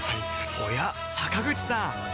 おや坂口さん